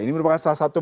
ini merupakan salah satu